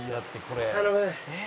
頼む。